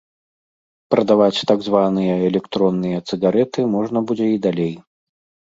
Прадаваць так званыя электронныя цыгарэты можна будзе і далей.